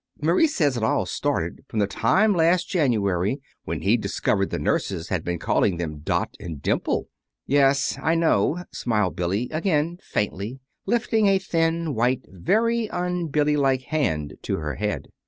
_ Marie says it all started from the time last January when he discovered the nurses had been calling them Dot and Dimple." "Yes, I know," smiled Billy again, faintly, lifting a thin, white, very un Billy like hand to her head.